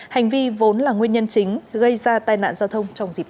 hành vi vốn là nguyên nhân chính gây ra tai nạn giao thông trong dịp tết